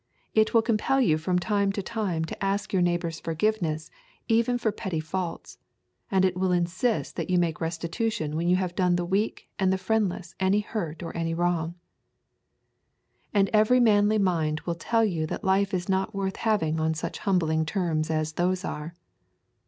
It will compel you from time to time to ask your neighbour's forgiveness even for petty faults, and it will insist with you that you make restitution when you have done the weak and the friendless any hurt or any wrong. And every manly mind will tell you that life is not worth having on such humbling terms as those are.